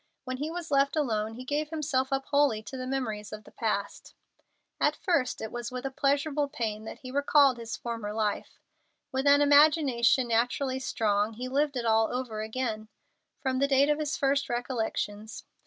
When he was left alone, he gave himself up wholly to the memories of the past. At first it was with a pleasurable pain that he recalled his former life. With an imagination naturally strong he lived it all over again, from the date of his first recollections.